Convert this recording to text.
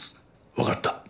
わかった。